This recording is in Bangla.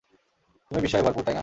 তুমি বিস্ময়ে ভরপুর, তাইনা?